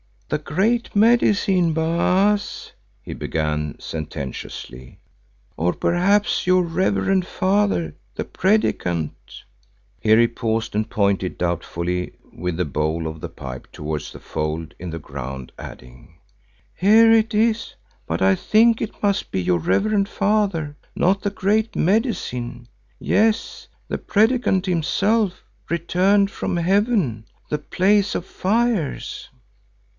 "The Great Medicine, Baas," he began sententiously, "or perhaps your reverend father, the Predikant——" Here he paused and pointed doubtfully with the bowl of the pipe towards the fold in the ground, adding, "Here it is, but I think it must be your reverend father, not the Great Medicine, yes, the Predikant himself, returned from Heaven, the Place of Fires!"